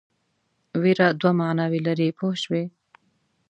وېره دوه معناوې لري پوه شوې!.